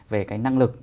về cái năng lực